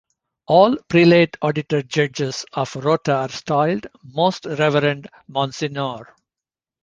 All Prelate Auditor Judges of the Rota are styled, Most Reverend Monsignor.